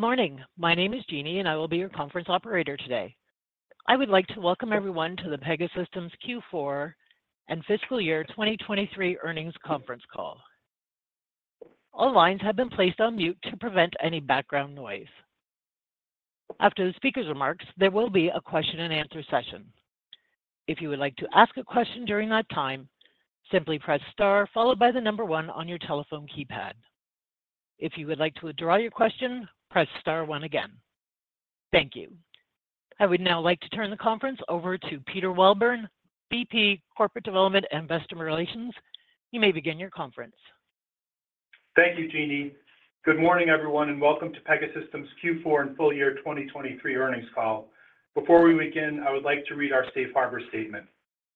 Good morning. My name is Jeannie, and I will be your conference operator today. I would like to welcome everyone to the Pegasystems Q4 and fiscal year 2023 earnings conference call. All lines have been placed on mute to prevent any background noise. After the speaker's remarks, there will be a Q&A session. If you would like to ask a question during that time, simply press star followed by the number one on your telephone keypad. If you would like to withdraw your question, press star one again. Thank you. I would now like to turn the conference over to Peter Welburn, VP Corporate Development and Customer Relations. You may begin your conference. Thank you, Jeannie. Good morning, everyone, and welcome to Pegasystems Q4 and full year 2023 earnings call. Before we begin, I would like to read our Safe Harbor statement.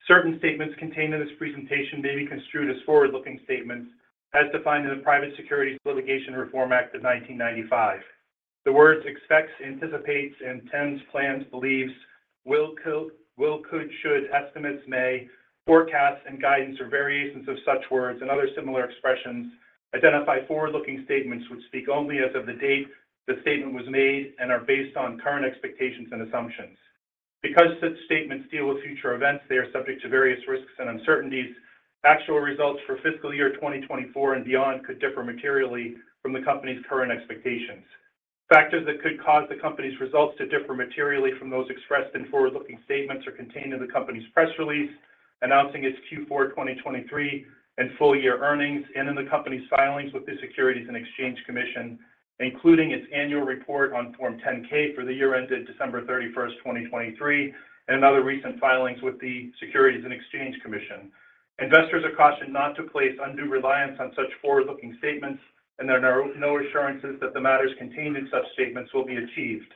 Certain statements contained in this presentation may be construed as forward-looking statements as defined in the Private Securities Litigation Reform Act of 1995. The words expects, anticipates, intends, plans, believes, will could, should, estimates, may, forecasts, and guidance, or variations of such words and other similar expressions identify forward-looking statements which speak only as of the date the statement was made and are based on current expectations and assumptions. Because such statements deal with future events, they are subject to various risks and uncertainties. Actual results for fiscal year 2024 and beyond could differ materially from the company's current expectations. Factors that could cause the company's results to differ materially from those expressed in forward-looking statements are contained in the company's press release announcing its Q4 2023 and full year earnings and in the company's filings with the Securities and Exchange Commission, including its annual report on Form 10-K for the year ended December 31, 2023, and other recent filings with the Securities and Exchange Commission. Investors are cautioned not to place undue reliance on such forward-looking statements, and there are no assurances that the matters contained in such statements will be achieved.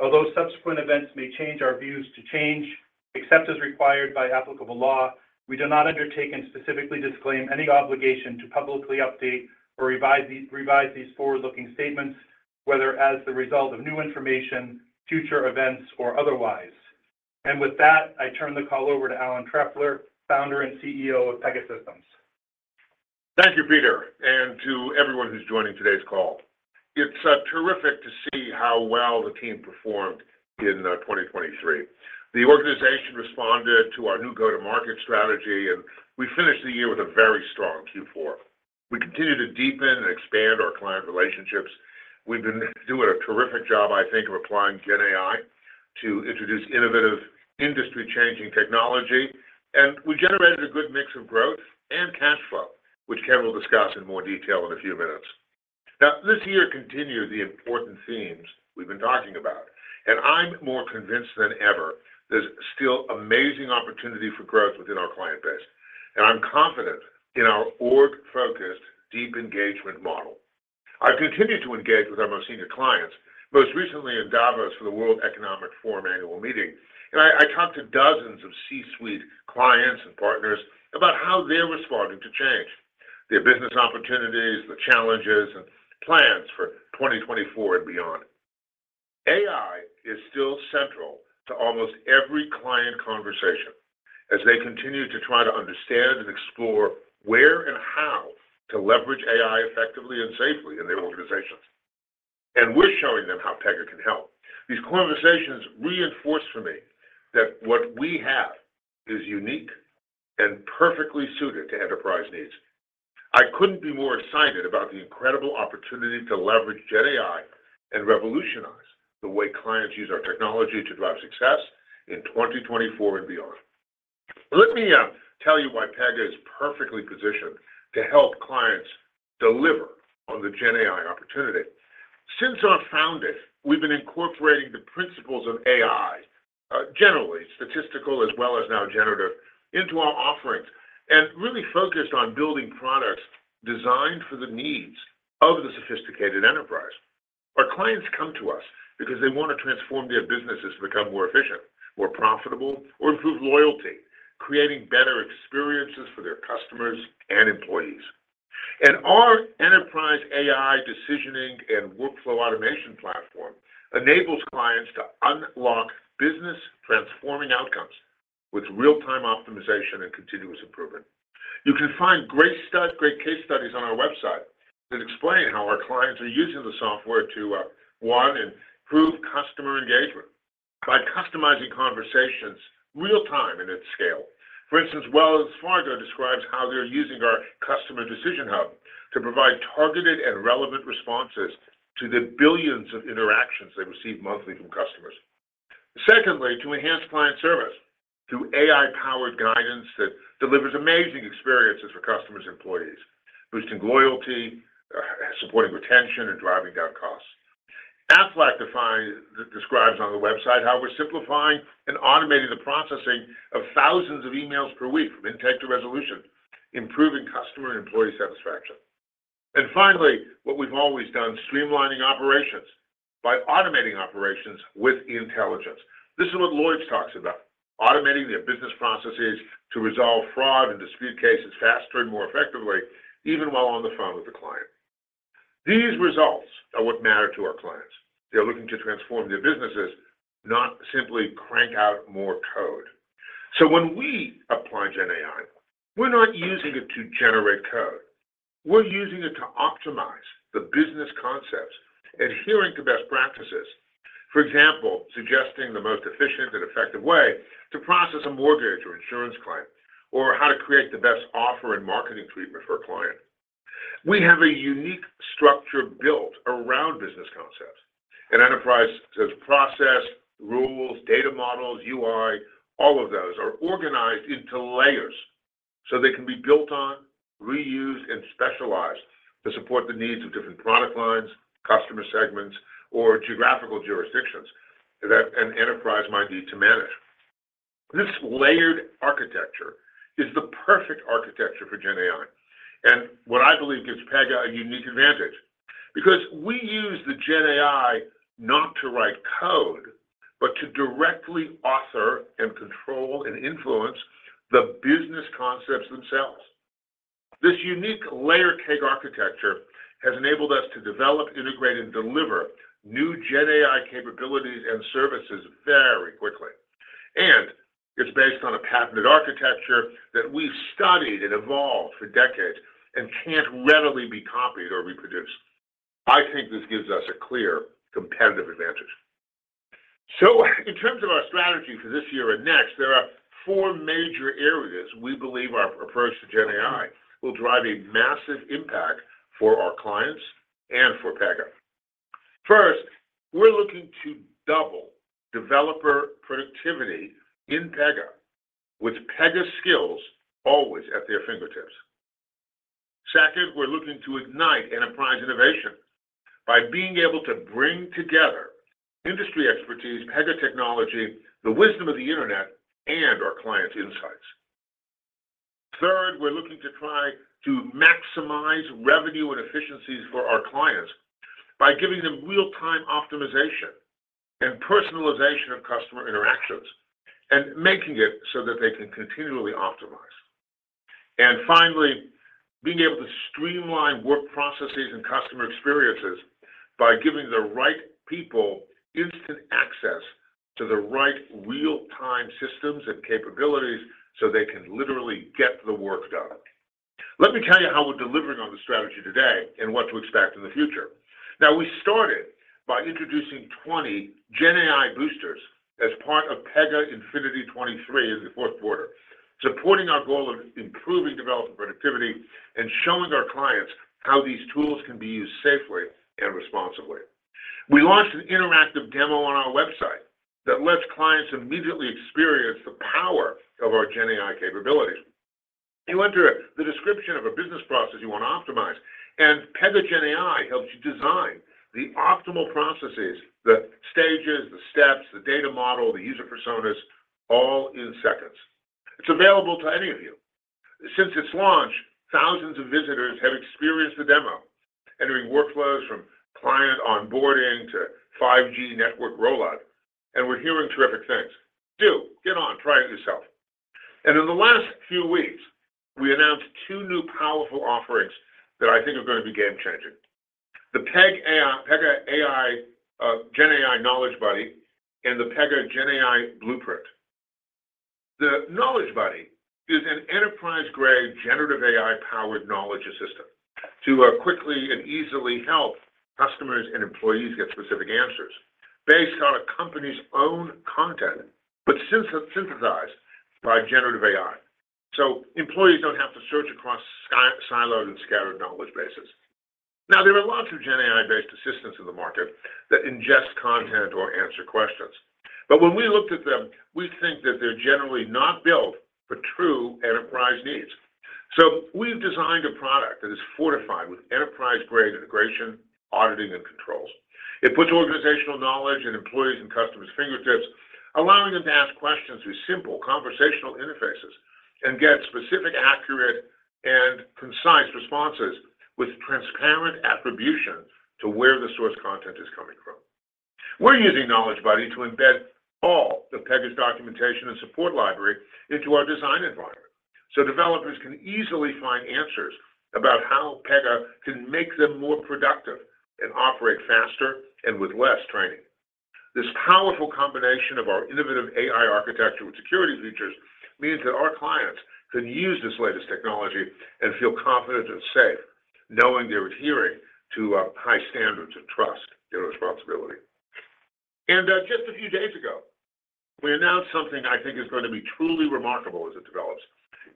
Although subsequent events may change our views to change, except as required by applicable law, we do not undertake and specifically disclaim any obligation to publicly update or revise these forward-looking statements, whether as the result of new information, future events, or otherwise. With that, I turn the call over to Alan Trefler, founder and CEO of Pegasystems. Thank you, Peter, and to everyone who's joining today's call. It's terrific to see how well the team performed in 2023. The organization responded to our new go-to-market strategy, and we finished the year with a very strong Q4. We continue to deepen and expand our client relationships. We've been doing a terrific job, I think, of applying GenAI to introduce innovative, industry-changing technology, and we generated a good mix of growth and cash flow, which Ken will discuss in more detail in a few minutes. Now, this year continued the important themes we've been talking about, and I'm more convinced than ever there's still amazing opportunity for growth within our client base, and I'm confident in our org-focused, deep engagement model. I've continued to engage with our most senior clients, most recently in Davos for the World Economic Forum annual meeting, and I talked to dozens of C-suite clients and partners about how they're responding to change, their business opportunities, the challenges, and plans for 2024 and beyond. AI is still central to almost every client conversation as they continue to try to understand and explore where and how to leverage AI effectively and safely in their organizations, and we're showing them how Pegasystems can help. These conversations reinforce for me that what we have is unique and perfectly suited to enterprise needs. I couldn't be more excited about the incredible opportunity to leverage GenAI and revolutionize the way clients use our technology to drive success in 2024 and beyond. Let me tell you why Pegasystems is perfectly positioned to help clients deliver on the GenAI opportunity. Since our founding, we've been incorporating the principles of AI, generally statistical as well as now generative, into our offerings and really focused on building products designed for the needs of the sophisticated enterprise. Our clients come to us because they want to transform their businesses to become more efficient, more profitable, or improve loyalty, creating better experiences for their customers and employees. Our enterprise AI decisioning and workflow automation platform enables clients to unlock business-transforming outcomes with real-time optimization and continuous improvement. You can find great case studies on our website that explain how our clients are using the software to, one, improve customer engagement by customizing conversations real-time and at scale. For instance, Wells Fargo describes how they're using our Customer Decision Hub to provide targeted and relevant responses to the billions of interactions they receive monthly from customers. Secondly, to enhance client service through AI-powered guidance that delivers amazing experiences for customers and employees, boosting loyalty, supporting retention, and driving down costs. Aflac describes on the website how we're simplifying and automating the processing of thousands of emails per week from intake to resolution, improving customer and employee satisfaction. Finally, what we've always done, streamlining operations by automating operations with intelligence. This is what Lloyd's talks about, automating their business processes to resolve fraud and dispute cases faster and more effectively, even while on the phone with the client. These results are what matter to our clients. They're looking to transform their businesses, not simply crank out more code. So when we apply GenAI, we're not using it to generate code. We're using it to optimize the business concepts, adhering to best practices, for example, suggesting the most efficient and effective way to process a mortgage or insurance claim, or how to create the best offer and marketing treatment for a client. We have a unique structure built around business concepts. An enterprise's process, rules, data models, UI, all of those are organized into layers so they can be built on, reused, and specialized to support the needs of different product lines, customer segments, or geographical jurisdictions that an enterprise might need to manage. This layered architecture is the perfect architecture for GenAI, and what I believe gives Pegasystems a unique advantage because we use the GenAI not to write code, but to directly author and control and influence the business concepts themselves. This unique layered cake architecture has enabled us to develop, integrate, and deliver new GenAI capabilities and services very quickly, and it's based on a patented architecture that we've studied and evolved for decades and can't readily be copied or reproduced. I think this gives us a clear competitive advantage. So in terms of our strategy for this year and next, there are four major areas we believe our approach to GenAI will drive a massive impact for our clients and for Pega. First, we're looking to double developer productivity in Pega with Pega skills always at their fingertips. Second, we're looking to ignite enterprise innovation by being able to bring together industry expertise, Pega technology, the wisdom of the internet, and our clients' insights. Third, we're looking to try to maximize revenue and efficiencies for our clients by giving them real-time optimization and personalization of customer interactions and making it so that they can continually optimize. And finally, being able to streamline work processes and customer experiences by giving the right people instant access to the right real-time systems and capabilities so they can literally get the work done. Let me tell you how we're delivering on the strategy today and what to expect in the future. Now, we started by introducing 20 GenAI boosters as part of Pega Infinity 23 in the Q4, supporting our goal of improving development productivity and showing our clients how these tools can be used safely and responsibly. We launched an interactive demo on our website that lets clients immediately experience the power of our GenAI capabilities. You enter the description of a business process you want to optimize, and Pega GenAI helps you design the optimal processes, the stages, the steps, the data model, the user personas, all in seconds. It's available to any of you. Since its launch, thousands of visitors have experienced the demo, entering workflows from client onboarding to 5G network rollout, and we're hearing terrific things. Do get on, try it yourself. And in the last few weeks, we announced two new powerful offerings that I think are going to be game-changing: the Pega GenAI Knowledge Buddy and the Pega GenAI Blueprint. The Knowledge Buddy is an enterprise-grade generative AI-powered knowledge assistant to quickly and easily help customers and employees get specific answers based on a company's own content, but synthesized by generative AI, so employees don't have to search across siloed and scattered knowledge bases. Now, there are lots of GenAI-based assistants in the market that ingest content or answer questions, but when we looked at them, we think that they're generally not built for true enterprise needs. So we've designed a product that is fortified with enterprise-grade integration, auditing, and controls. It puts organizational knowledge at employees' and customers' fingertips, allowing them to ask questions through simple conversational interfaces and get specific, accurate, and concise responses with transparent attribution to where the source content is coming from. We're using Knowledge Buddy to embed all of Pega's documentation and support library into our design environment so developers can easily find answers about how Pega can make them more productive and operate faster and with less training. This powerful combination of our innovative AI architecture with security features means that our clients can use this latest technology and feel confident and safe, knowing they're adhering to high standards of trust and responsibility. Just a few days ago, we announced something I think is going to be truly remarkable as it develops.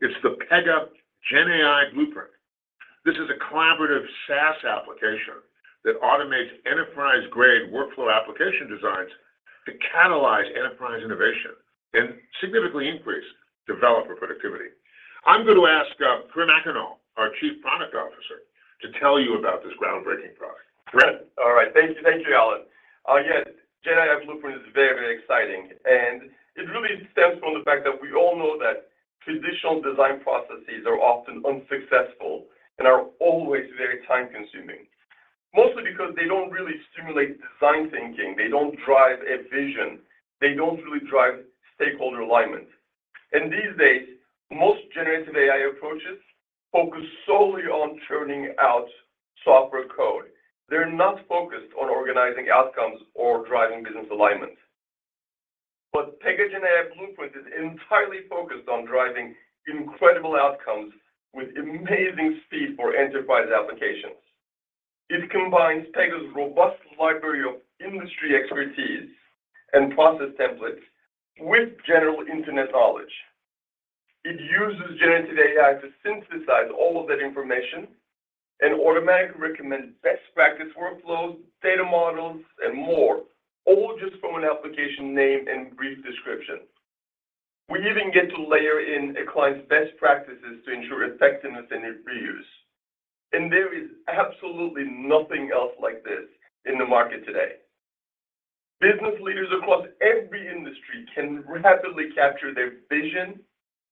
It's the Pega GenAI Blueprint. This is a collaborative SaaS application that automates enterprise-grade workflow application designs to catalyze enterprise innovation and significantly increase developer productivity. I'm going to ask Kerim Akgonul, our Chief Product Officer, to tell you about this groundbreaking product. All right. Thank you, Alan. Yeah, GenAI Blueprint is very exciting, and it really stems from the fact that we all know that traditional design processes are often unsuccessful and are always very time-consuming, mostly because they don't really stimulate design thinking. They don't drive a vision. They don't really drive stakeholder alignment. And these days, most generative AI approaches focus solely on churning out software code. They're not focused on organizing outcomes or driving business alignment. But Pega GenAI Blueprint is entirely focused on driving incredible outcomes with amazing speed for enterprise applications. It combines Pega's robust library of industry expertise and process templates with general internet knowledge. It uses generative AI to synthesize all of that information and automatically recommend best practice workflows, data models, and more, all just from an application name and brief description. We even get to layer in a client's best practices to ensure effectiveness and reuse. There is absolutely nothing else like this in the market today. Business leaders across every industry can rapidly capture their vision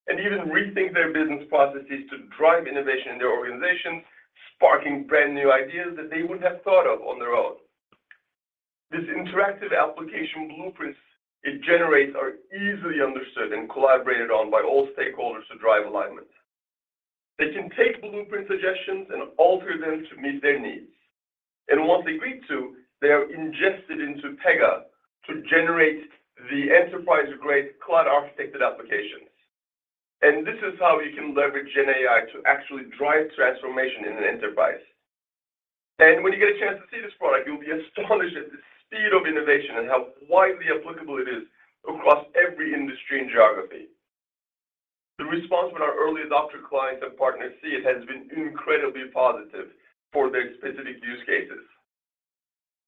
and even rethink their business processes to drive innovation in their organizations, sparking brand new ideas that they wouldn't have thought of on their own. This interactive application blueprints it generates are easily understood and collaborated on by all stakeholders to drive alignment. They can take blueprint suggestions and alter them to meet their needs. Once agreed to, they are ingested into Pega to generate the enterprise-grade cloud-architected applications. This is how you can leverage GenAI to actually drive transformation in an enterprise. When you get a chance to see this product, you'll be astonished at the speed of innovation and how widely applicable it is across every industry and geography. The response when our early adopter clients and partners see it has been incredibly positive for their specific use cases.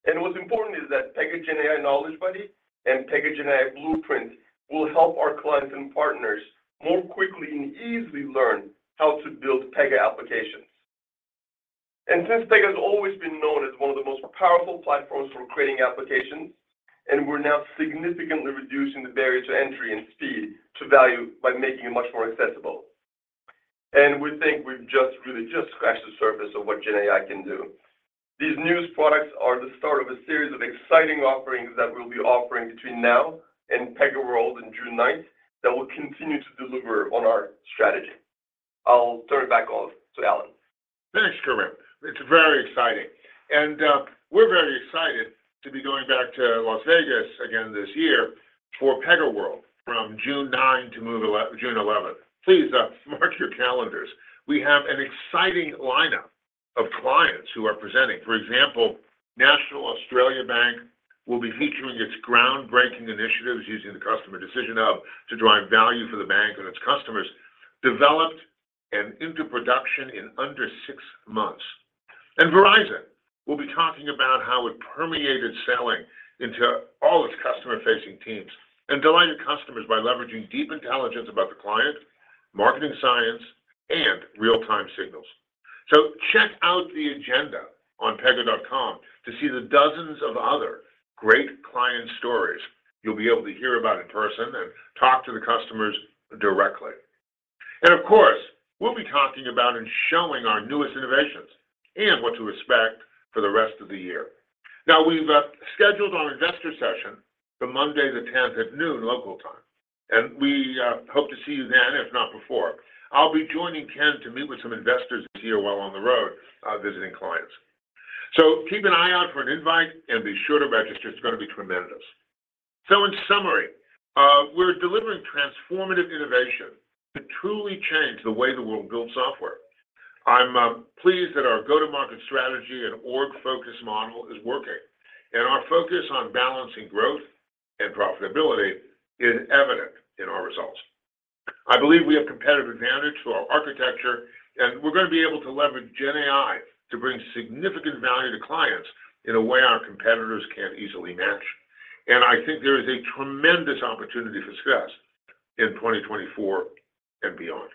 What's important is that Pega GenAI Knowledge Buddy and Pega GenAI Blueprint will help our clients and partners more quickly and easily learn how to build Pega applications. Since Pega has always been known as one of the most powerful platforms for creating applications, and we're now significantly reducing the barrier to entry and speed to value by making it much more accessible. We think we've just really just scratched the surface of what GenAI can do. These new products are the start of a series of exciting offerings that we'll be offering between now and PegaWorld on June 9 that will continue to deliver on our strategy. I'll turn it back off to Alan. Thanks, Kerim. It's very exciting. And we're very excited to be going back to Las Vegas again this year for PegaWorld from June 9-June 11. Please mark your calendars. We have an exciting lineup of clients who are presenting. For example, National Australia Bank will be featuring its groundbreaking initiatives using the Customer Decision Hub to drive value for the bank and its customers, developed and into production in under six months. And Verizon will be talking about how it permeated selling into all its customer-facing teams and delighted customers by leveraging deep intelligence about the client, marketing science, and real-time signals. So check out the agenda on pega.com to see the dozens of other great client stories you'll be able to hear about in person and talk to the customers directly. Of course, we'll be talking about and showing our newest innovations and what to expect for the rest of the year. Now, we've scheduled our investor session for Monday the 10th at noon local time, and we hope to see you then, if not before. I'll be joining Ken to meet with some investors this year while on the road visiting clients. Keep an eye out for an invite and be sure to register. It's going to be tremendous. In summary, we're delivering transformative innovation to truly change the way the world builds software. I'm pleased that our go-to-market strategy and org-focused model is working, and our focus on balancing growth and profitability is evident in our results. I believe we have competitive advantage to our architecture, and we're going to be able to leverage GenAI to bring significant value to clients in a way our competitors can't easily match. I think there is a tremendous opportunity for success in 2024 and beyond.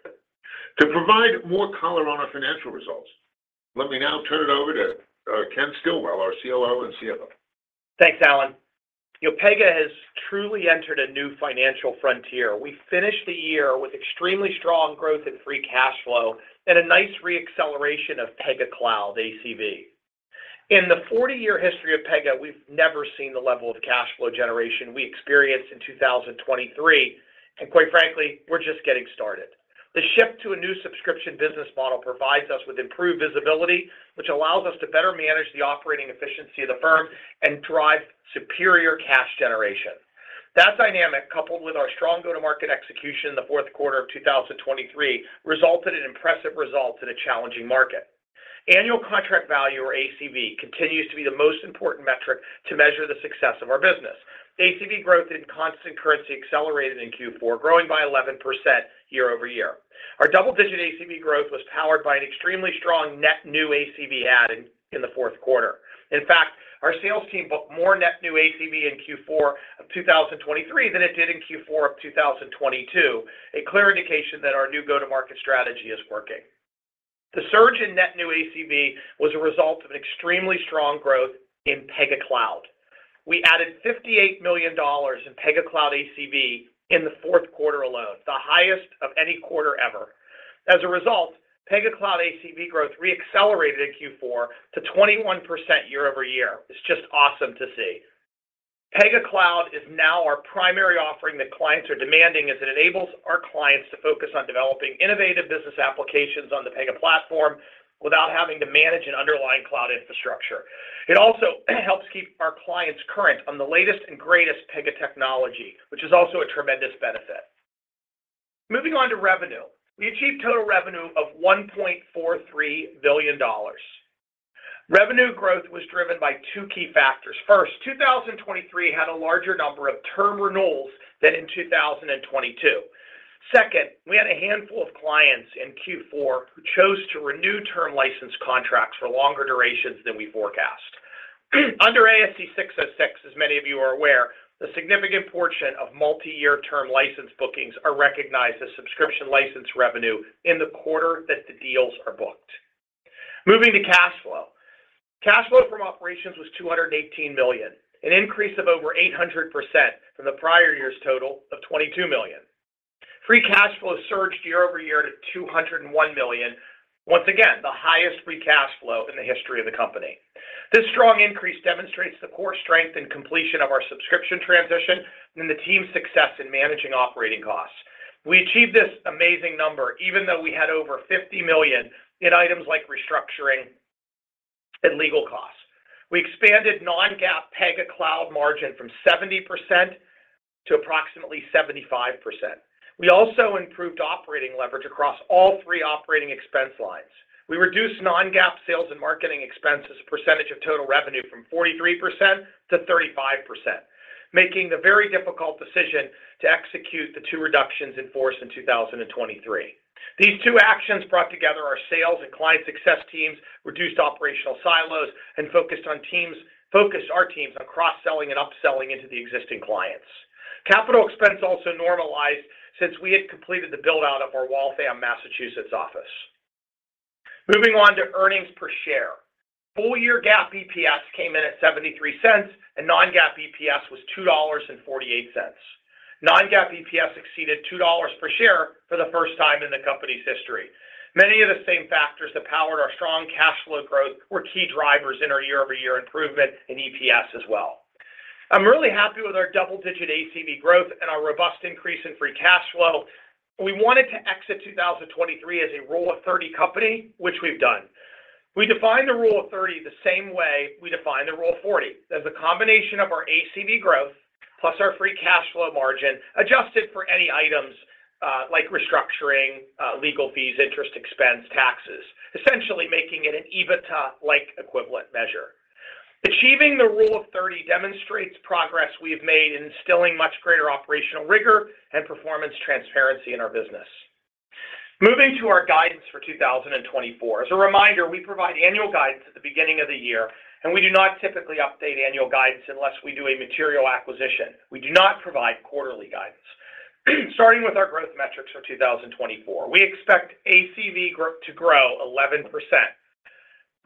To provide more color on financial results, let me now turn it over to Ken Stillwell, our COO and CFO. Thanks, Alan. Pega has truly entered a new financial frontier. We finished the year with extremely strong growth in free cash flow and a nice reacceleration of Pega Cloud, ACV. In the 40-year history of Pega, we've never seen the level of cash flow generation we experienced in 2023. And quite frankly, we're just getting started. The shift to a new subscription business model provides us with improved visibility, which allows us to better manage the operating efficiency of the firm and drive superior cash generation. That dynamic, coupled with our strong go-to-market execution in the Q4 of 2023, resulted in impressive results in a challenging market. Annual contract value, or ACV, continues to be the most important metric to measure the success of our business. ACV growth in constant currency accelerated in Q4, growing by 11% year-over-year. Our double-digit ACV growth was powered by an extremely strong net new ACV add-in in the Q4. In fact, our sales team booked more net new ACV in Q4 of 2023 than it did in Q4 of 2022, a clear indication that our new go-to-market strategy is working. The surge in net new ACV was a result of an extremely strong growth in Pega Cloud. We added $58 million in Pega Cloud ACV in the Q4 alone, the highest of any quarter ever. As a result, Pega Cloud ACV growth reaccelerated in Q4 to 21% year-over-year. It's just awesome to see. Pega Cloud is now our primary offering that clients are demanding as it enables our clients to focus on developing innovative business applications on the Pega platform without having to manage an underlying cloud infrastructure. It also helps keep our clients current on the latest and greatest Pega technology, which is also a tremendous benefit. Moving on to revenue, we achieved total revenue of $1.43 billion. Revenue growth was driven by two key factors. First, 2023 had a larger number of term renewals than in 2022. Second, we had a handful of clients in Q4 who chose to renew term license contracts for longer durations than we forecast. Under ASC 606, as many of you are aware, a significant portion of multi-year term license bookings are recognized as subscription license revenue in the quarter that the deals are booked. Moving to cash flow, cash flow from operations was $218 million, an increase of over 800% from the prior year's total of $22 million. Free cash flow surged year-over-year to $201 million, once again, the highest free cash flow in the history of the company. This strong increase demonstrates the core strength in completion of our subscription transition and the team's success in managing operating costs. We achieved this amazing number even though we had over $50 million in items like restructuring and legal costs. We expanded non-GAAP Pega Cloud margin from 70% to approximately 75%. We also improved operating leverage across all three operating expense lines. We reduced non-GAAP sales and marketing expenses percentage of total revenue from 43% to 35%, making the very difficult decision to execute the two reductions in force in 2023. These two actions brought together our sales and client success teams, reduced operational silos, and focused our teams on cross-selling and upselling into the existing clients. Capital expense also normalized since we had completed the build-out of our Waltham, Massachusetts office. Moving on to earnings per share, full-year GAAP EPS came in at $0.73, and non-GAAP EPS was $2.48. Non-GAAP EPS exceeded $2 per share for the first time in the company's history. Many of the same factors that powered our strong cash flow growth were key drivers in our year-over-year improvement in EPS as well. I'm really happy with our double-digit ACV growth and our robust increase in free cash flow. We wanted to exit 2023 as a Rule of 30 company, which we've done. We define the Rule of 30 the same way we define the Rule of 40. There's a combination of our ACV growth plus our free cash flow margin adjusted for any items like restructuring, legal fees, interest, expense, taxes, essentially making it an EBITDA-like equivalent measure. Achieving the Rule of 30 demonstrates progress we've made in instilling much greater operational rigor and performance transparency in our business. Moving to our guidance for 2024. As a reminder, we provide annual guidance at the beginning of the year, and we do not typically update annual guidance unless we do a material acquisition. We do not provide quarterly guidance. Starting with our growth metrics for 2024, we expect ACV to grow 11%.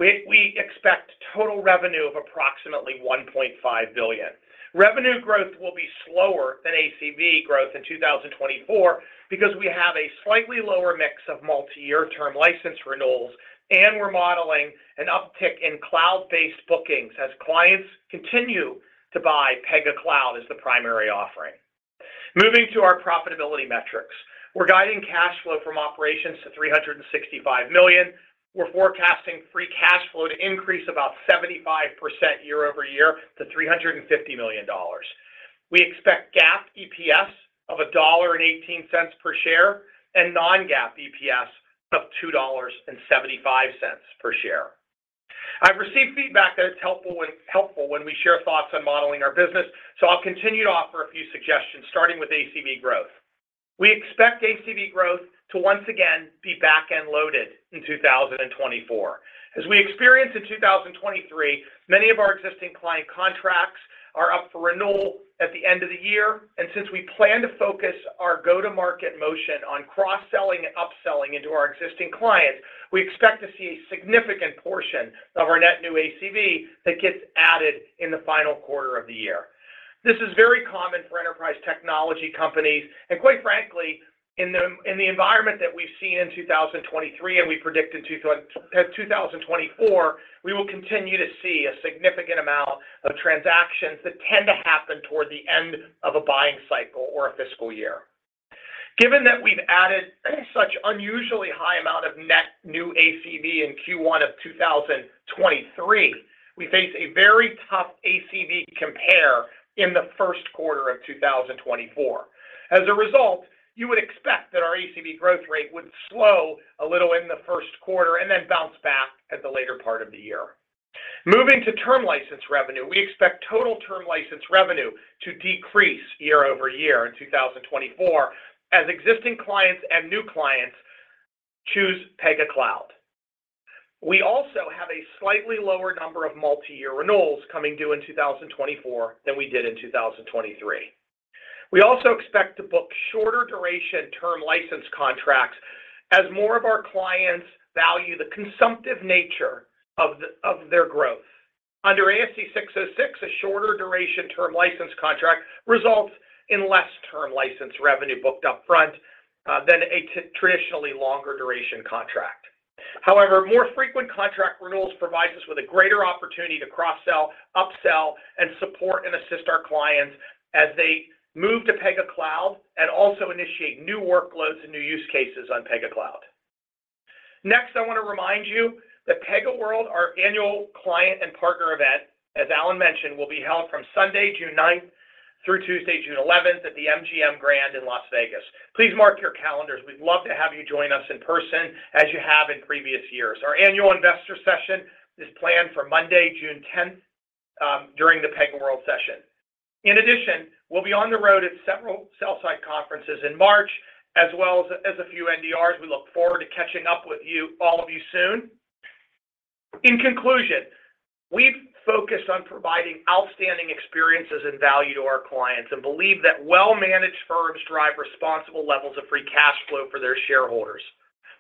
We expect total revenue of approximately $1.5 billion. Revenue growth will be slower than ACV growth in 2024 because we have a slightly lower mix of multi-year term license renewals, and we're modeling an uptick in cloud-based bookings as clients continue to buy Pega Cloud as the primary offering. Moving to our profitability metrics, we're guiding cash flow from operations to $365 million. We're forecasting free cash flow to increase about 75% year-over-year to $350 million. We expect GAAP EPS of $1.18 per share and non-GAAP EPS of $2.75 per share. I've received feedback that it's helpful when we share thoughts on modeling our business, so I'll continue to offer a few suggestions, starting with ACV growth. We expect ACV growth to once again be backend-loaded in 2024. As we experience in 2023, many of our existing client contracts are up for renewal at the end of the year. And since we plan to focus our go-to-market motion on cross-selling and upselling into our existing clients, we expect to see a significant portion of our net new ACV that gets added in the final quarter of the year. This is very common for enterprise technology companies. Quite frankly, in the environment that we've seen in 2023 and we predict in 2024, we will continue to see a significant amount of transactions that tend to happen toward the end of a buying cycle or a fiscal year. Given that we've added such an unusually high amount of net new ACV in Q1 of 2023, we face a very tough ACV compare in the Q1 of 2024. As a result, you would expect that our ACV growth rate would slow a little in the Q1 and then bounce back at the later part of the year. Moving to term license revenue, we expect total term license revenue to decrease year-over-year in 2024 as existing clients and new clients choose Pega Cloud. We also have a slightly lower number of multi-year renewals coming due in 2024 than we did in 2023. We also expect to book shorter duration term license contracts as more of our clients value the consumptive nature of their growth. Under ASC 606, a shorter duration term license contract results in less term license revenue booked upfront than a traditionally longer duration contract. However, more frequent contract renewals provide us with a greater opportunity to cross-sell, upsell, and support and assist our clients as they move to Pega Cloud and also initiate new workloads and new use cases on Pega Cloud. Next, I want to remind you that PegaWorld, our annual client and partner event, as Alan mentioned, will be held from Sunday, June 9, through Tuesday, June 11 at the MGM Grand in Las Vegas. Please mark your calendars. We'd love to have you join us in person as you have in previous years. Our annual investor session is planned for Monday, June 10, during the PegaWorld session. In addition, we'll be on the road at several Sell-Side Conferences in March as well as a few NDRs. We look forward to catching up with all of you soon. In conclusion, we've focused on providing outstanding experiences and value to our clients and believe that well-managed firms drive responsible levels of free cash flow for their shareholders.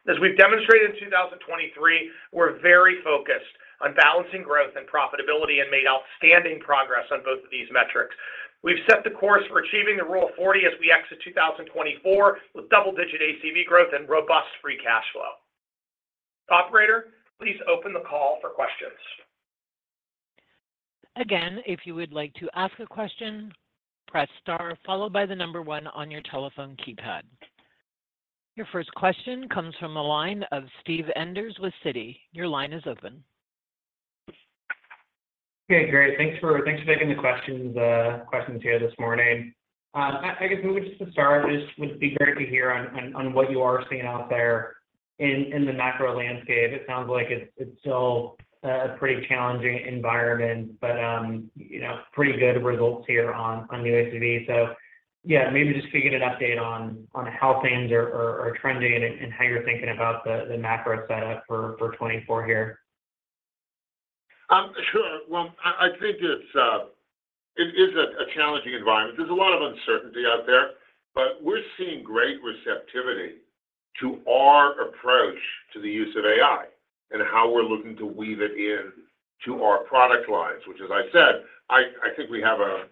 As we've demonstrated in 2023, we're very focused on balancing growth and profitability and made outstanding progress on both of these metrics. We've set the course for achieving the Rule of 40 as we exit 2024 with double-digit ACV growth and robust free cash flow. Operator, please open the call for questions. Again, if you would like to ask a question, press star followed by the number one on your telephone keypad. Your first question comes from a line of Steve Enders with Citi. Your line is open. Okay. Great. Thanks for taking the questions here this morning. I guess maybe just to start, it would be great to hear on what you are seeing out there in the macro landscape. It sounds like it's still a pretty challenging environment, but pretty good results here on new ACV. So yeah, maybe just give you an update on how things are trending and how you're thinking about the macro setup for 2024 here. Sure. Well, I think it is a challenging environment. There's a lot of uncertainty out there, but we're seeing great receptivity to our approach to the use of AI and how we're looking to weave it into our product lines, which, as I said, I think we have a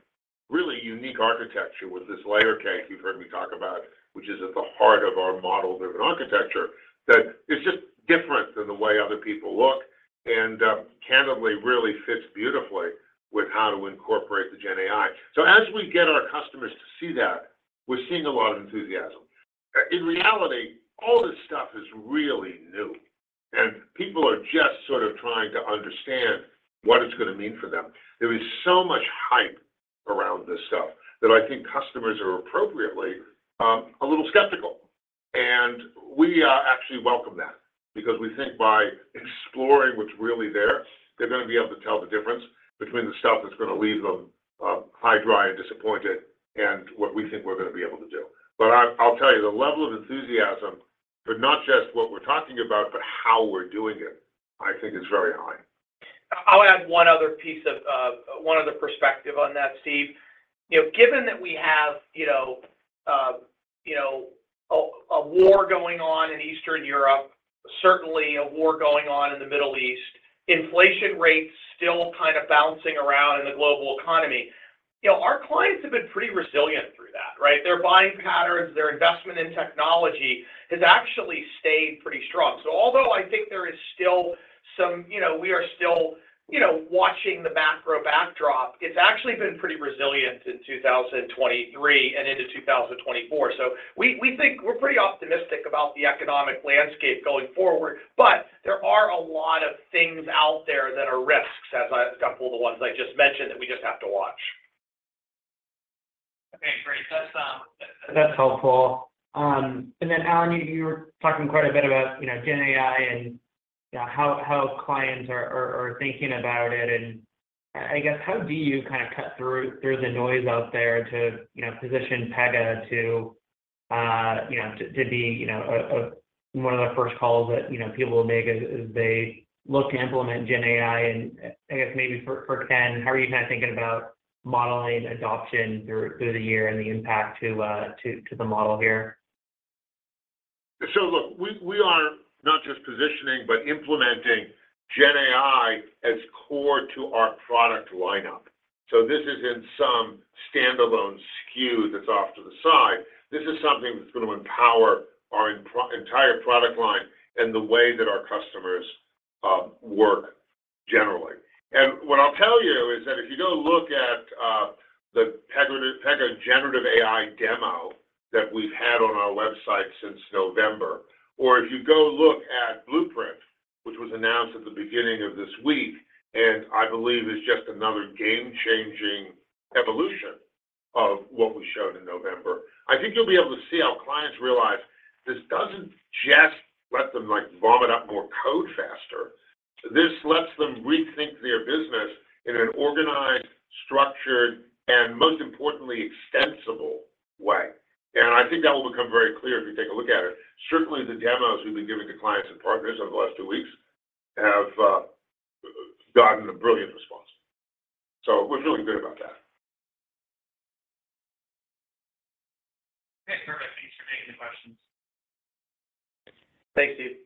really unique architecture with this layer cake you've heard me talk about, which is at the heart of our model-driven architecture that is just different than the way other people look and candidly really fits beautifully with how to incorporate the GenAI. So as we get our customers to see that, we're seeing a lot of enthusiasm. In reality, all this stuff is really new, and people are just sort of trying to understand what it's going to mean for them. There is so much hype around this stuff that I think customers are appropriately a little skeptical. We actually welcome that because we think by exploring what's really there, they're going to be able to tell the difference between the stuff that's going to leave them high and dry and disappointed and what we think we're going to be able to do. But I'll tell you, the level of enthusiasm for not just what we're talking about but how we're doing it, I think, is very high. I'll add one other piece of one other perspective on that, Steve. Given that we have a war going on in Eastern Europe, certainly a war going on in the Middle East, inflation rates still kind of bouncing around in the global economy, our clients have been pretty resilient through that, right? Their buying patterns, their investment in technology has actually stayed pretty strong. So although I think there is still some we are still watching the macro backdrop, it's actually been pretty resilient in 2023 and into 2024. So we think we're pretty optimistic about the economic landscape going forward, but there are a lot of things out there that are risks, as a couple of the ones I just mentioned, that we just have to watch. Okay. Great. That's helpful. And then, Alan, you were talking quite a bit about GenAI and how clients are thinking about it. And I guess how do you kind of cut through the noise out there to position PEGA to be one of the first calls that people will make as they look to implement GenAI? And I guess maybe for Ken, how are you kind of thinking about modeling adoption through the year and the impact to the model here? So look, we are not just positioning but implementing GenAI as core to our product lineup. So this isn't some standalone SKU that's off to the side. This is something that's going to empower our entire product line and the way that our customers work generally. And what I'll tell you is that if you go look at the PEGA generative AI demo that we've had on our website since November, or if you go look at Blueprint, which was announced at the beginning of this week and I believe is just another game-changing evolution of what we showed in November, I think you'll be able to see how clients realize this doesn't just let them vomit up more code faster. This lets them rethink their business in an organized, structured, and most importantly, extensible way. I think that will become very clear if you take a look at it. Certainly, the demos we've been giving to clients and partners over the last two weeks have gotten a brilliant response. We're feeling good about that. Okay. Perfect. Thanks for taking the questions. Thanks, Steve.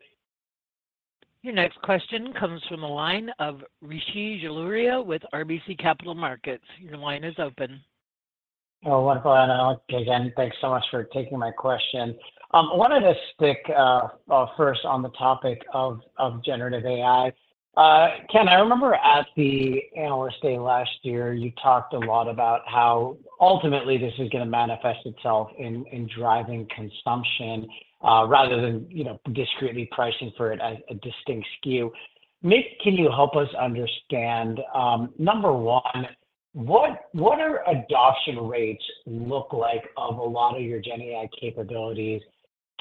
Your next question comes from a line of Rishi Jaluria with RBC Capital Markets. Your line is open. Wonderful, Alan. Again, thanks so much for taking my question. I wanted to stick first on the topic of generative AI. Ken, I remember at the Analyst Day last year, you talked a lot about how ultimately this is going to manifest itself in driving consumption rather than discretely pricing for it as a distinct SKU. Maybe can you help us understand, number one, what do adoption rates look like of a lot of your GenAI capabilities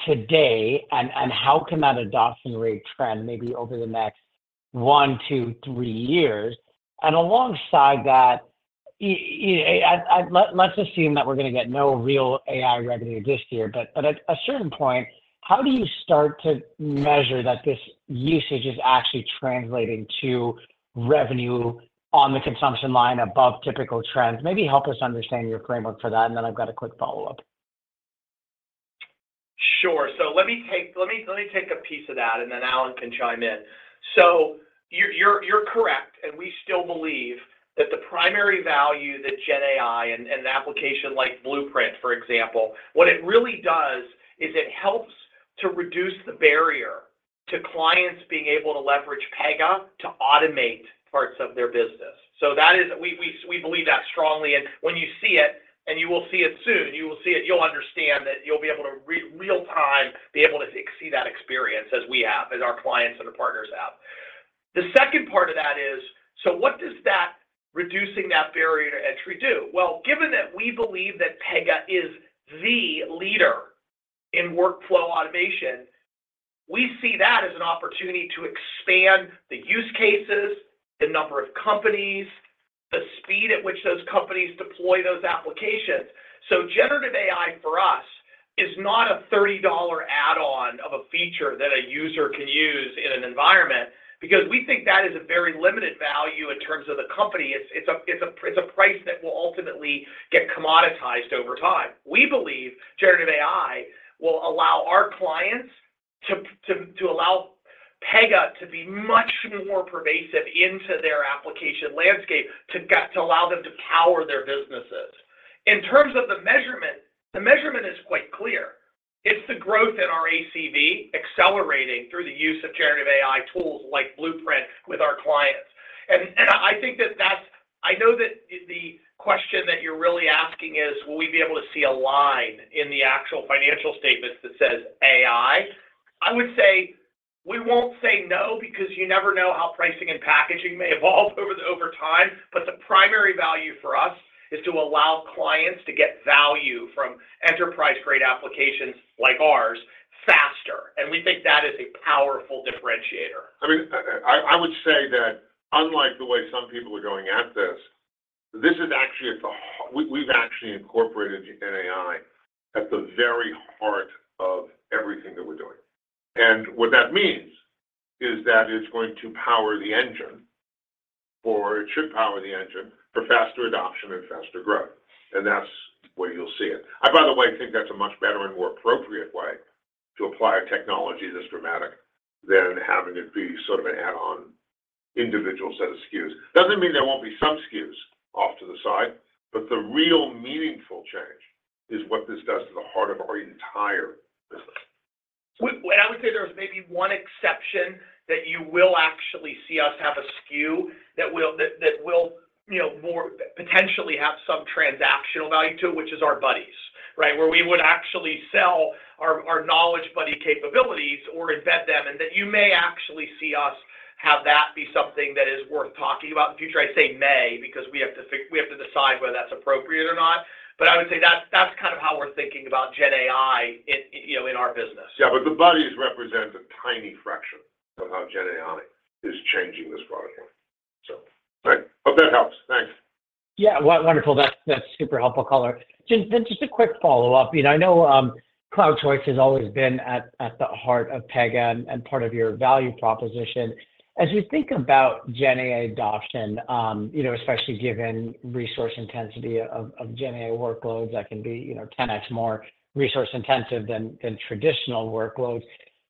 today, and how can that adoption rate trend maybe over the next one, two, three years? Alongside that, let's assume that we're going to get no real AI revenue this year. But at a certain point, how do you start to measure that this usage is actually translating to revenue on the consumption line above typical trends? Maybe help us understand your framework for that, and then I've got a quick follow-up. Sure. So let me take a piece of that, and then Alan can chime in. So you're correct, and we still believe that the primary value that GenAI and an application like Blueprint, for example, what it really does is it helps to reduce the barrier to clients being able to leverage Pega to automate parts of their business. So we believe that strongly. And when you see it, and you will see it soon, you will see it. You'll understand that you'll be able to real-time be able to exceed that experience as we have, as our clients and our partners have. The second part of that is, so what does reducing that barrier to entry do? Well, given that we believe that Pega is the leader in workflow automation, we see that as an opportunity to expand the use cases, the number of companies, the speed at which those companies deploy those applications. So generative AI, for us, is not a $30 add-on of a feature that a user can use in an environment because we think that is a very limited value in terms of the company. It's a price that will ultimately get commoditized over time. We believe generative AI will allow our clients to allow Pega to be much more pervasive into their application landscape to allow them to power their businesses. In terms of the measurement, the measurement is quite clear. It's the growth in our ACV accelerating through the use of generative AI tools like Blueprint with our clients. I think that that's. I know that the question that you're really asking is, will we be able to see a line in the actual financial statements that says AI? I would say we won't say no because you never know how pricing and packaging may evolve over time. But the primary value for us is to allow clients to get value from enterprise-grade applications like ours faster. We think that is a powerful differentiator. I mean, I would say that unlike the way some people are going at this, this is actually, we've actually incorporated GenAI at the very heart of everything that we're doing. And what that means is that it's going to power the engine, or it should power the engine, for faster adoption and faster growth. And that's where you'll see it. I, by the way, think that's a much better and more appropriate way to apply a technology this dramatic than having it be sort of an add-on individual set of SKUs. Doesn't mean there won't be some SKUs off to the side, but the real meaningful change is what this does to the heart of our entire business. I would say there's maybe one exception that you will actually see us have a SKU that will potentially have some transactional value to it, which is our buddies, right, where we would actually sell our Knowledge Buddy capabilities or embed them. That you may actually see us have that be something that is worth talking about in the future. I say may because we have to decide whether that's appropriate or not. I would say that's kind of how we're thinking about GenAI in our business. Yeah. But the buddies represent a tiny fraction of how GenAI is changing this product line, so. All right. Hope that helps. Thanks. Yeah. Wonderful. That's super helpful, Caller. Ken, just a quick follow-up. I know Cloud Choice has always been at the heart of Pega and part of your value proposition. As we think about GenAI adoption, especially given resource intensity of GenAI workloads that can be 10x more resource-intensive than traditional workloads,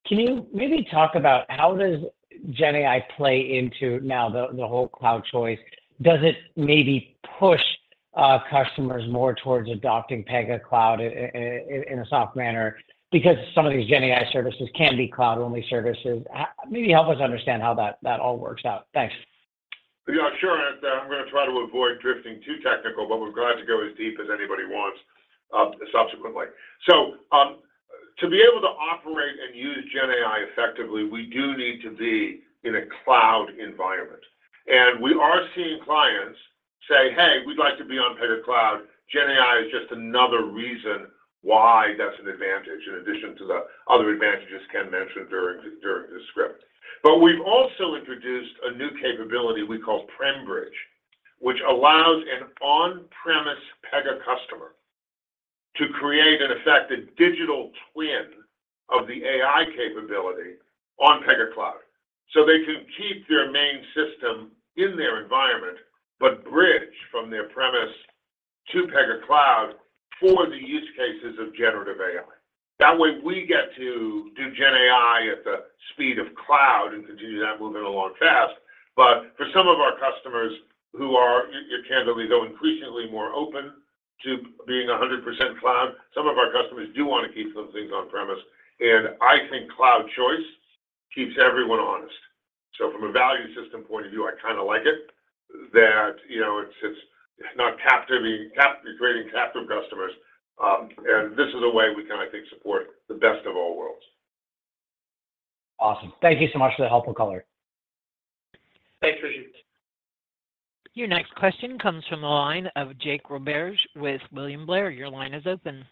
can you maybe talk about how does GenAI play into now the whole Cloud Choice? Does it maybe push customers more towards adopting Pega Cloud in a soft manner because some of these GenAI services can be cloud-only services? Maybe help us understand how that all works out. Thanks. Yeah. Sure. And I'm going to try to avoid drifting too technical, but we're glad to go as deep as anybody wants subsequently. So to be able to operate and use GenAI effectively, we do need to be in a cloud environment. And we are seeing clients say, "Hey, we'd like to be on Pega Cloud. GenAI is just another reason why that's an advantage," in addition to the other advantages Ken mentioned during this script. But we've also introduced a new capability we call PremBridge, which allows an on-premise Pega customer to create, in effect, a digital twin of the AI capability on Pega Cloud. So they can keep their main system in their environment but bridge from their premise to Pega Cloud for the use cases of generative AI. That way, we get to do GenAI at the speed of cloud and continue that moving along fast. But for some of our customers who are, candidly, though increasingly more open to being 100% cloud, some of our customers do want to keep some things on-premise. And I think Cloud Choice keeps everyone honest. So from a value system point of view, I kind of like it that it's not creating captive customers. And this is a way we can, I think, support the best of all worlds. Awesome. Thank you so much for that helpful, caller. Thanks, Rishi. Your next question comes from a line of Jake Roberge with William Blair. Your line is open.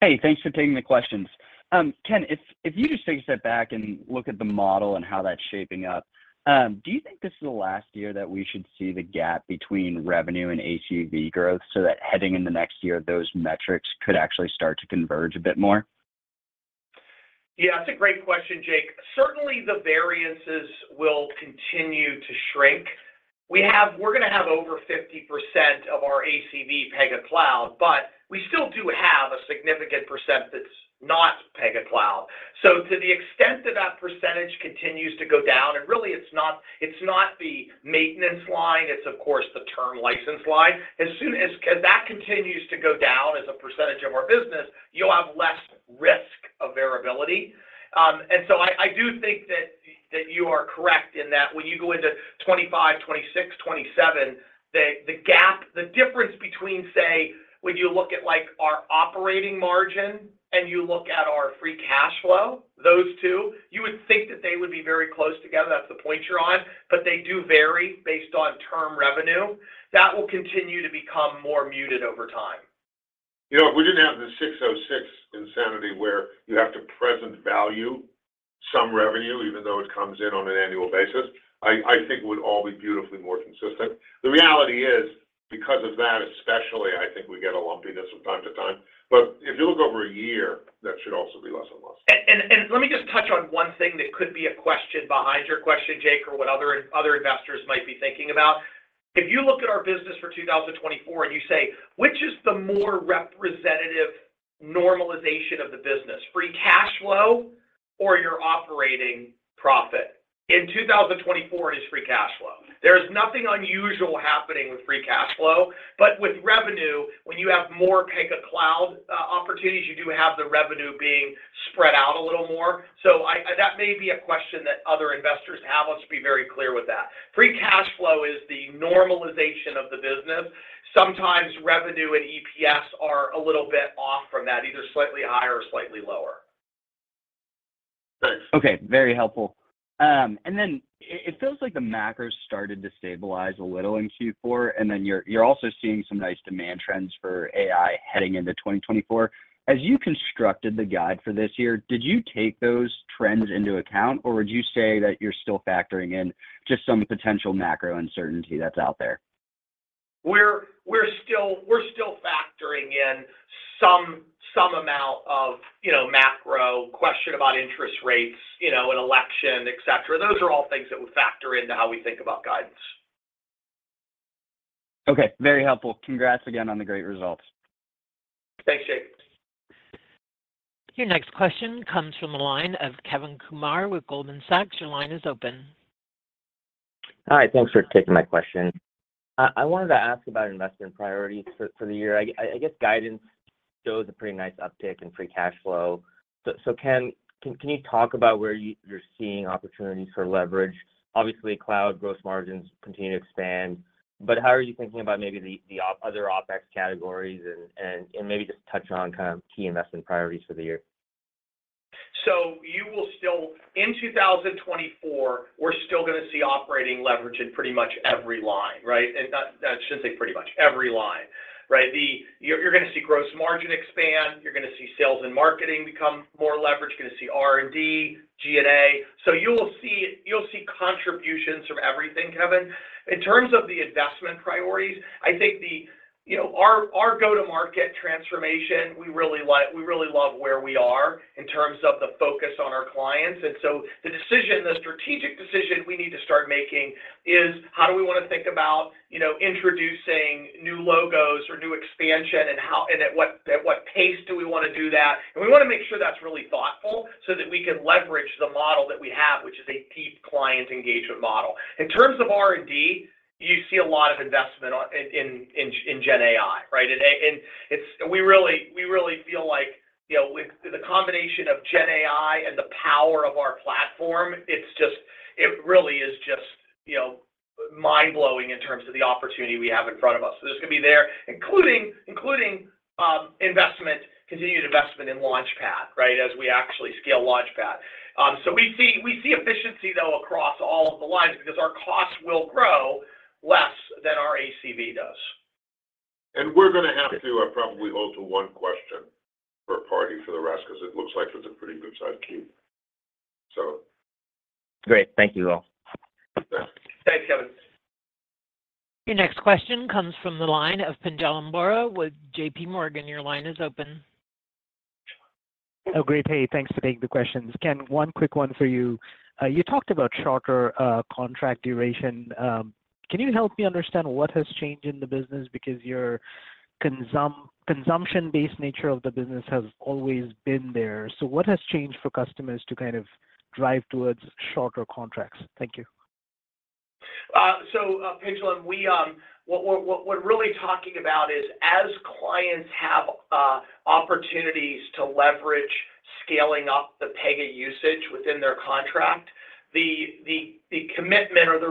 Hey. Thanks for taking the questions. Ken, if you just take a step back and look at the model and how that's shaping up, do you think this is the last year that we should see the gap between revenue and ACV growth so that heading into next year, those metrics could actually start to converge a bit more? Yeah. That's a great question, Jake. Certainly, the variances will continue to shrink. We're going to have over 50% of our ACV Pega Cloud, but we still do have a significant percentage that's not Pega Cloud. So to the extent that that percentage continues to go down and really, it's not the maintenance line. It's, of course, the term license line. As soon as that continues to go down as a percentage of our business, you'll have less risk of variability. And so I do think that you are correct in that when you go into 2025, 2026, 2027, the difference between, say, when you look at our operating margin and you look at our free cash flow, those two, you would think that they would be very close together. That's the point you're on. But they do vary based on term revenue. That will continue to become more muted over time. Yeah. If we didn't have the 606 insanity where you have to present value, some revenue, even though it comes in on an annual basis, I think it would all be beautifully more consistent. The reality is, because of that especially, I think we get a lumpiness from time to time. But if you look over a year, that should also be less and less. Let me just touch on one thing that could be a question behind your question, Jake, or what other investors might be thinking about. If you look at our business for 2024 and you say, "Which is the more representative normalization of the business, free cash flow or your operating profit?" In 2024, it is free cash flow. There is nothing unusual happening with free cash flow. But with revenue, when you have more Pega Cloud opportunities, you do have the revenue being spread out a little more. So that may be a question that other investors have. I'll just be very clear with that. Free Cash Flow is the normalization of the business. Sometimes revenue and EPS are a little bit off from that, either slightly higher or slightly lower. Thanks. Okay. Very helpful. Then it feels like the macro started to stabilize a little in Q4, and then you're also seeing some nice demand trends for AI heading into 2024. As you constructed the guide for this year, did you take those trends into account, or would you say that you're still factoring in just some potential macro uncertainty that's out there? We're still factoring in some amount of macro, question about interest rates, an election, etc. Those are all things that would factor into how we think about guidance. Okay. Very helpful. Congrats again on the great results. Thanks, Jake. Your next question comes from a line of Kevin Kumar with Goldman Sachs. Your line is open. Hi. Thanks for taking my question. I wanted to ask about investment priorities for the year. I guess guidance shows a pretty nice uptick in free cash flow. So Ken, can you talk about where you're seeing opportunities for leverage? Obviously, cloud gross margins continue to expand. But how are you thinking about maybe the other OpEx categories and maybe just touch on kind of key investment priorities for the year? So in 2024, we're still going to see operating leverage in pretty much every line, right? And I shouldn't say pretty much, every line, right? You're going to see gross margin expand. You're going to see sales and marketing become more leveraged. You're going to see R&D, G&A. So you'll see contributions from everything, Kevin. In terms of the investment priorities, I think our go-to-market transformation, we really love where we are in terms of the focus on our clients. And so the strategic decision we need to start making is, how do we want to think about introducing new logos or new expansion, and at what pace do we want to do that? And we want to make sure that's really thoughtful so that we can leverage the model that we have, which is a deep client engagement model. In terms of R&D, you see a lot of investment in GenAI, right? We really feel like with the combination of GenAI and the power of our platform, it really is just mind-blowing in terms of the opportunity we have in front of us. There's going to be there, including continued investment in Launchpad, right, as we actually scale Launchpad. We see efficiency, though, across all of the lines because our costs will grow less than our ACV does. We're going to have to probably hold to one question per party for the rest because it looks like there's a pretty good size queue, so. Great. Thank you all. Thanks, Kevin. Your next question comes from the line of Pinjalim Bora with JP Morgan. Your line is open. Oh, great. Hey. Thanks for taking the questions. Ken, one quick one for you. You talked about shorter contract duration. Can you help me understand what has changed in the business because your consumption-based nature of the business has always been there? So what has changed for customers to kind of drive towards shorter contracts? Thank you. So Pinjalim, what we're really talking about is, as clients have opportunities to leverage scaling up the Pega usage within their contract, the commitment or the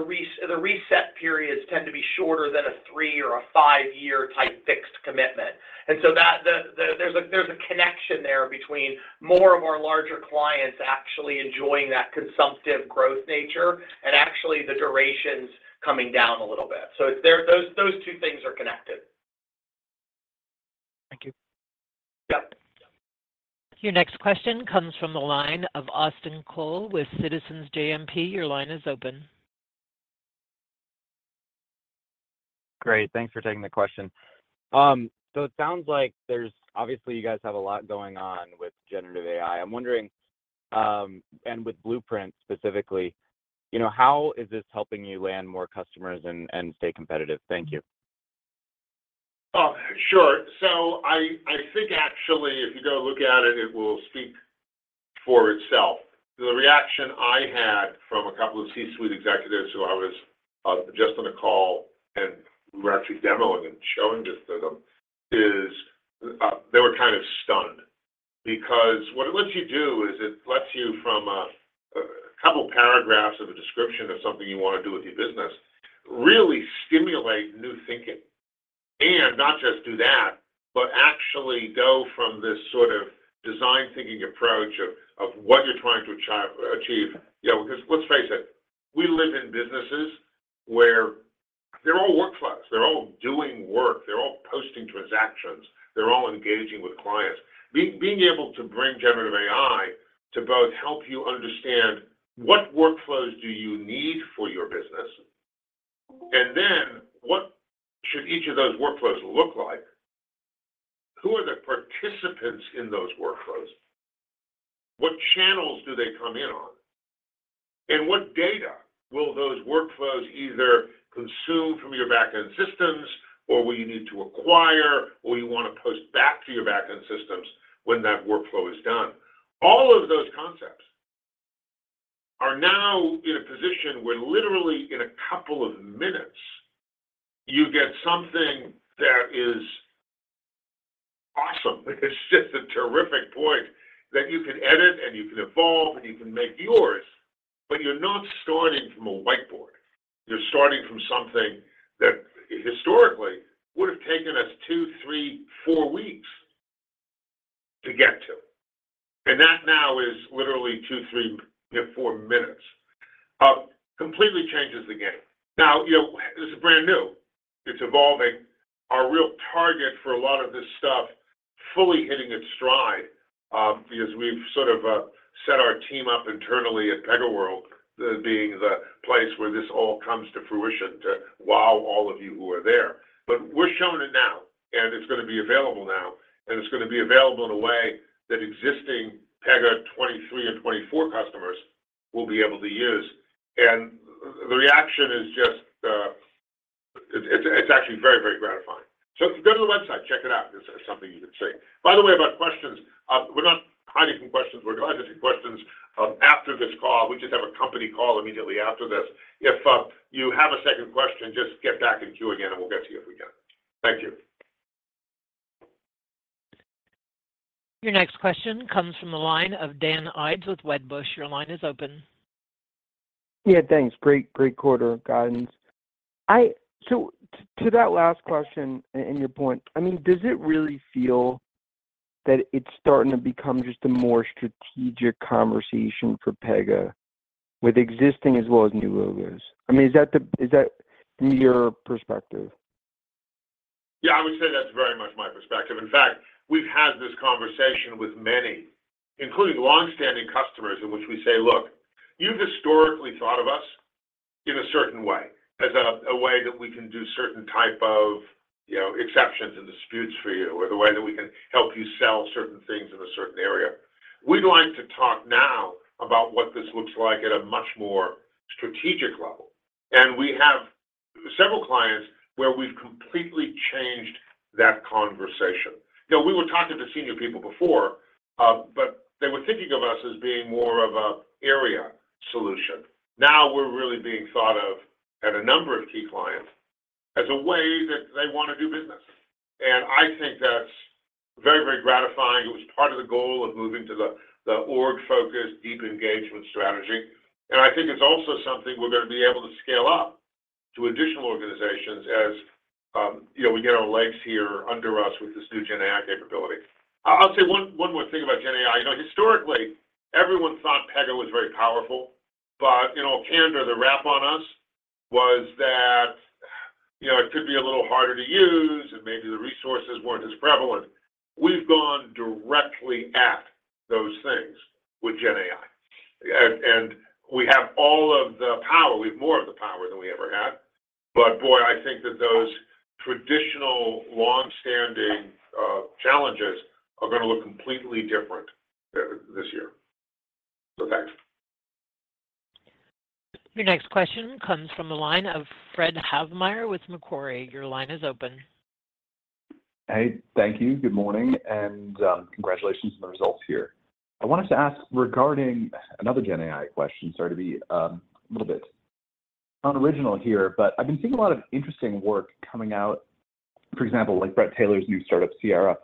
reset periods tend to be shorter than a three or five years type fixed commitment. And so there's a connection there between more of our larger clients actually enjoying that consumptive growth nature and actually the durations coming down a little bit. So those two things are connected. Thank you. Yep. Your next question comes from the line of Austin Cole with Citizens JMP. Your line is open. Great. Thanks for taking the question. So it sounds like there's obviously, you guys have a lot going on with generative AI. I'm wondering, and with Blueprint specifically, how is this helping you land more customers and stay competitive? Thank you. Oh, sure. So I think, actually, if you go look at it, it will speak for itself. The reaction I had from a couple of C-suite executives who I was just on a call and we were actually demoing and showing this to them is they were kind of stunned because what it lets you do is it lets you, from a couple of paragraphs of a description of something you want to do with your business, really stimulate new thinking. And not just do that, but actually go from this sort of design-thinking approach of what you're trying to achieve. Because let's face it, we live in businesses where they're all workflows. They're all doing work. They're all posting transactions. They're all engaging with clients. Being able to bring generative AI to both help you understand what workflows do you need for your business, and then what should each of those workflows look like, who are the participants in those workflows, what channels do they come in on, and what data will those workflows either consume from your backend systems or will you need to acquire or you want to post back to your backend systems when that workflow is done? All of those concepts are now in a position where, literally, in a couple of minutes, you get something that is awesome. It's just a terrific point that you can edit, and you can evolve, and you can make yours. But you're not starting from a whiteboard. You're starting from something that, historically, would have taken us two, three, four weeks to get to. That now is literally two, three, four minutes. Completely changes the game. Now, this is brand new. It's evolving. Our real target for a lot of this stuff fully hitting its stride because we've sort of set our team up internally at PegaWorld, being the place where this all comes to fruition, to wow all of you who are there. But we're showing it now, and it's going to be available now. And it's going to be available in a way that existing Pega 2023 and 2024 customers will be able to use. And the reaction is just, it's actually very gratifying. So go to the website. Check it out. It's something you can see. By the way, about questions, we're not hiding from questions. We're glad to take questions after this call. We just have a company call immediately after this. If you have a second question, just get back in queue again, and we'll get to you if we can. Thank you. Your next question comes from a line of Dan Ives with Wedbush. Your line is open. Yeah. Thanks. Great quarter guidance. So to that last question and your point, I mean, does it really feel that it's starting to become just a more strategic conversation for Pega with existing as well as new logos? I mean, is that from your perspective? Yeah. I would say that's very much my perspective. In fact, we've had this conversation with many, including longstanding customers, in which we say, "Look, you've historically thought of us in a certain way, as a way that we can do certain type of exceptions and disputes for you, or the way that we can help you sell certain things in a certain area. We'd like to talk now about what this looks like at a much more strategic level." And we have several clients where we've completely changed that conversation. Now, we were talking to senior people before, but they were thinking of us as being more of an area solution. Now, we're really being thought of at a number of key clients as a way that they want to do business. And I think that's very, very gratifying. It was part of the goal of moving to the org-focused, deep engagement strategy. I think it's also something we're going to be able to scale up to additional organizations as we get our legs here under us with this new GenAI capability. I'll say one more thing about GenAI. Historically, everyone thought Pega was very powerful. But in all candor, the rap on us was that it could be a little harder to use, and maybe the resources weren't as prevalent. We've gone directly at those things with GenAI. We have all of the power. We have more of the power than we ever had. But boy, I think that those traditional, longstanding challenges are going to look completely different this year. So thanks. Your next question comes from a line of Fred Havemeyer with Macquarie. Your line is open. Hey. Thank you. Good morning. Congratulations on the results here. I wanted to ask regarding another GenAI question. Sorry to be a little bit unoriginal here, but I've been seeing a lot of interesting work coming out, for example, like Bret Taylor's new startup, Sierra,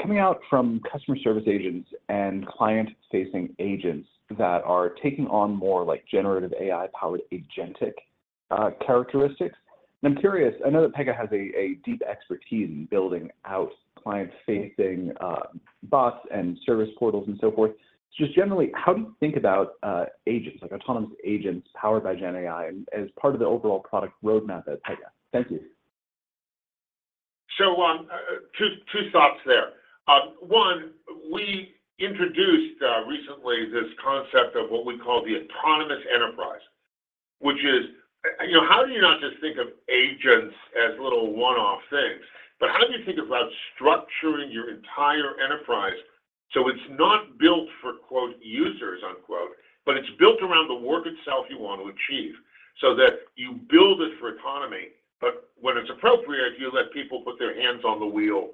coming out from customer service agents and client-facing agents that are taking on more generative AI-powered agentic characteristics. I'm curious. I know that Pega has a deep expertise in building out client-facing bots and service portals and so forth. Just generally, how do you think about agents, autonomous agents powered by GenAI, as part of the overall product roadmap at Pega? Thank you. So two thoughts there. One, we introduced recently this concept of what we call the autonomous enterprise, which is how do you not just think of agents as little one-off things, but how do you think about structuring your entire enterprise so it's not built for "users," but it's built around the work itself you want to achieve so that you build it for autonomy, but when it's appropriate, you let people put their hands on the wheel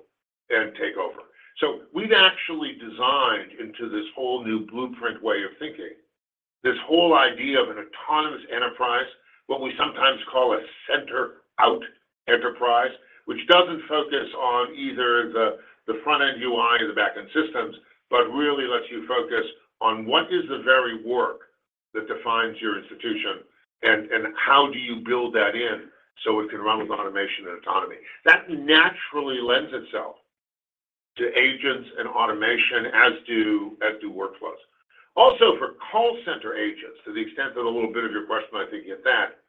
and take over? So we've actually designed into this whole new Blueprint way of thinking, this whole idea of an autonomous enterprise, what we sometimes call a center-out enterprise, which doesn't focus on either the front-end UI or the back-end systems, but really lets you focus on what is the very work that defines your institution and how do you build that in so it can run with automation and autonomy. That naturally lends itself to agents and automation, as do workflows. Also, for call center agents, to the extent that a little bit of your question I think hit that,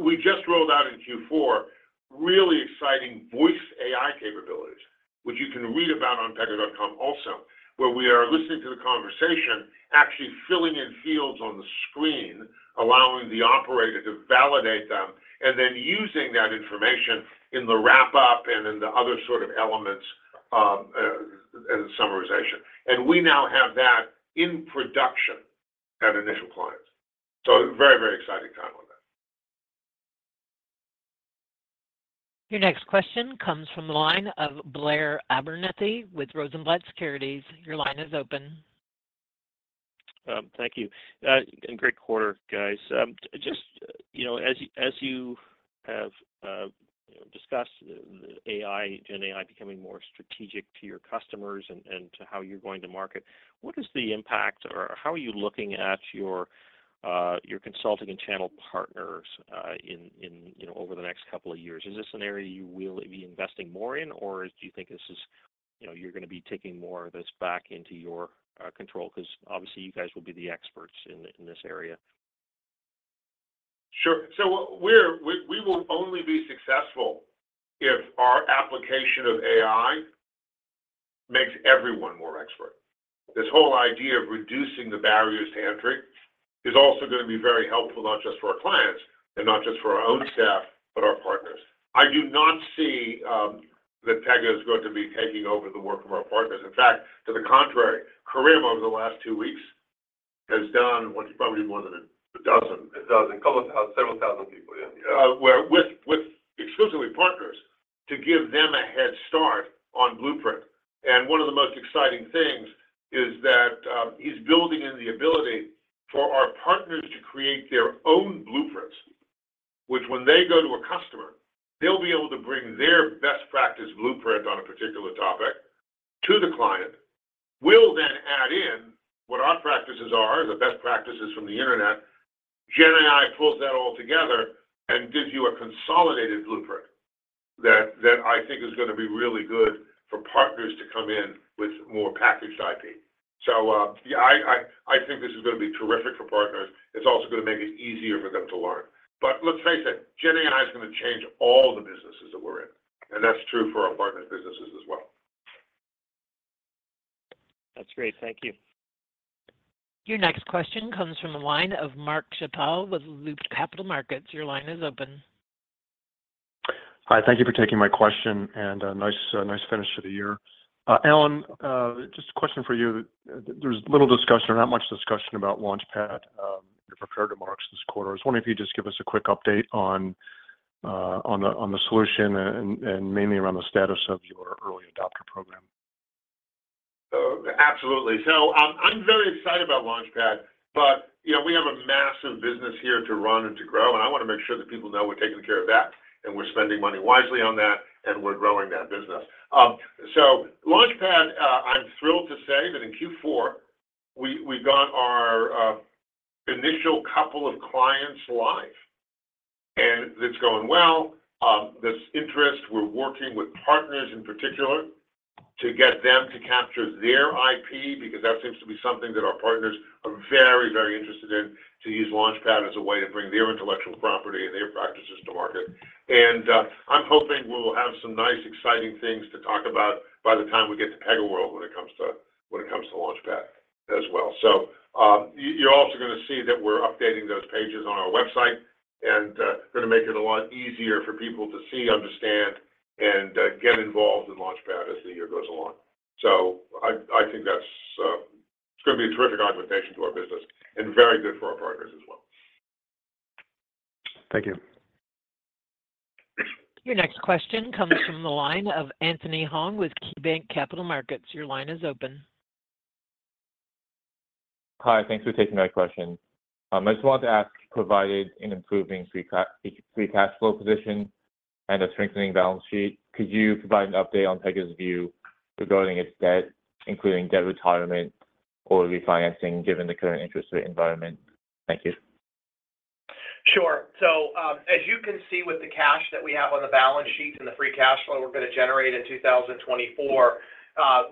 we just rolled out in Q4 really exciting voice AI capabilities, which you can read about on Pega.com also, where we are listening to the conversation, actually filling in fields on the screen, allowing the operator to validate them, and then using that information in the wrap-up and in the other sort of elements as a summarization. And we now have that in production at initial clients. So very exciting time on that. Your next question comes from the line of Blair Abernathy with Rosenblatt Securities. Your line is open. Thank you. And great quarter, guys. Just as you have discussed GenAI becoming more strategic to your customers and to how you're going to market, what is the impact, or how are you looking at your consulting and channel partners over the next couple of years? Is this an area you will be investing more in, or do you think this is you're going to be taking more of this back into your control? Because obviously, you guys will be the experts in this area. Sure. So we will only be successful if our application of AI makes everyone more expert. This whole idea of reducing the barriers to entry is also going to be very helpful, not just for our clients and not just for our own staff, but our partners. I do not see that Pega is going to be taking over the work from our partners. In fact, to the contrary, Kerim over the last two weeks has done what he probably more than a dozen. 12. Several thousand people, yeah. With exclusively partners to give them a head start on Blueprint. One of the most exciting things is that he's building in the ability for our partners to create their own blueprints, which when they go to a customer, they'll be able to bring their best practice blueprint on a particular topic to the client, will then add in what our practices are, the best practices from the internet. GenAI pulls that all together and gives you a consolidated blueprint that I think is going to be really good for partners to come in with more packaged IP. So yeah, I think this is going to be terrific for partners. It's also going to make it easier for them to learn. But let's face it, GenAI is going to change all the businesses that we're in. That's true for our partner businesses as well. That's great. Thank you. Your next question comes from a line of Mark Shappel with Loop Capital Markets. Your line is open. Hi. Thank you for taking my question, and nice finish to the year. Alan, just a question for you. There's little discussion or not much discussion about Launchpad prepared to market this quarter. I was wondering if you could just give us a quick update on the solution and mainly around the status of your early adopter program. Absolutely. So I'm very excited about Launchpad, but we have a massive business here to run and to grow. And I want to make sure that people know we're taking care of that, and we're spending money wisely on that, and we're growing that business. So Launchpad, I'm thrilled to say that in Q4, we got our initial couple of clients live. And it's going well. There's interest. We're working with partners in particular to get them to capture their IP because that seems to be something that our partners are very interested in, to use Launchpad as a way to bring their intellectual property and their practices to market. And I'm hoping we'll have some nice, exciting things to talk about by the time we get to PegaWorld when it comes to Launchpad as well. So you're also going to see that we're updating those pages on our website and going to make it a lot easier for people to see, understand, and get involved in Launchpad as the year goes along. So I think that's going to be a terrific augmentation to our business and very good for our partners as well. Thank you. Your next question comes from the line of Anthony Hong with KeyBanc Capital Markets. Your line is open. Hi. Thanks for taking my question. I just wanted to ask. Provided an improving free cash flow position and a strengthening balance sheet, could you provide an update on Pega's view regarding its debt, including debt retirement or refinancing, given the current interest rate environment? Thank you. Sure. So as you can see with the cash that we have on the balance sheet and the free cash flow we're going to generate in 2024,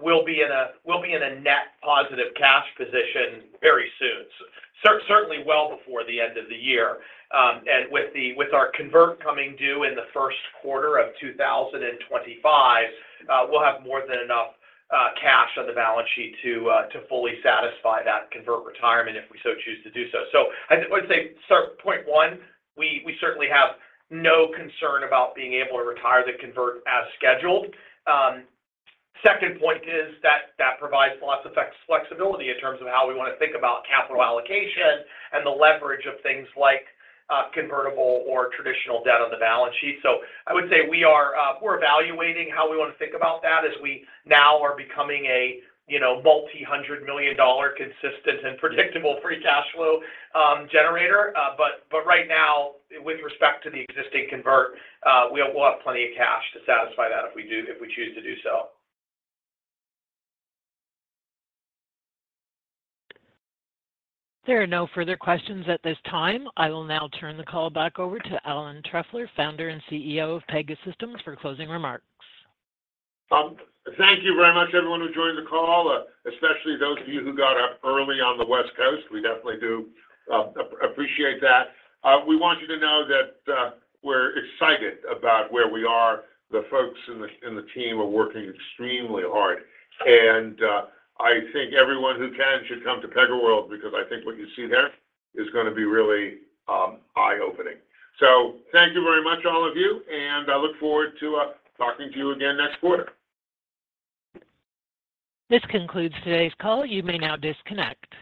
we'll be in a net positive cash position very soon, certainly well before the end of the year. And with our convert coming due in the Q1 of 2025, we'll have more than enough cash on the balance sheet to fully satisfy that convert retirement if we so choose to do so. So I would say, point one, we certainly have no concern about being able to retire the convert as scheduled. Second point is that that provides lots of flexibility in terms of how we want to think about capital allocation and the leverage of things like convertible or traditional debt on the balance sheet. I would say we're evaluating how we want to think about that as we now are becoming a multi-hundred-million-dollar consistent and predictable free cash flow generator. But right now, with respect to the existing convert, we'll have plenty of cash to satisfy that if we choose to do so. There are no further questions at this time. I will now turn the call back over to Alan Trefler, founder and CEO of Pegasystems, for closing remarks. Thank you very much, everyone who joined the call, especially those of you who got up early on the West Coast. We definitely do appreciate that. We want you to know that we're excited about where we are. The folks in the team are working extremely hard. And I think everyone who can should come to PegaWorld because I think what you see there is going to be really eye-opening. So thank you very much, all of you. And I look forward to talking to you again next quarter. This concludes today's call. You may now disconnect.